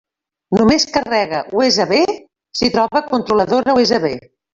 Només carrega USB si troba controladora USB.